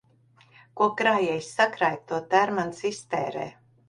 Ko krājējs sakrāj, to tērmanis iztērē.